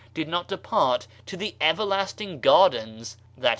did not depart to the Everlasting Gardens {i.